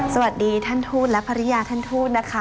สวัสดีท่านทูตและภรรยาท่านทูตนะคะ